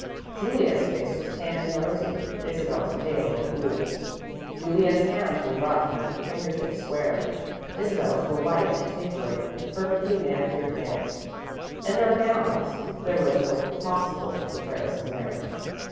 Juliet's face was tanned and rosy; Isabel's pale and cool. Juliet's hands were rough and her finger tips square; Isabel's were white and tapering, with perfectly manicured nails. And their gowns there was no possible comparison there.